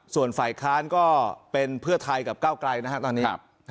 ส่วนฝ่ายค้านก็เป็นเพื่อไทยกับก้าวไกลนะครับตอนนี้